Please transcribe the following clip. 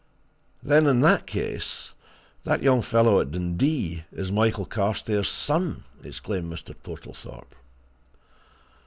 "Then in that case that young fellow at Dundee is Michael Carstairs' son?" exclaimed Mr. Portlethorpe.